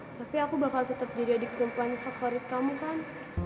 tapi aku bakal tetap jadi perempuan favorit kamu kan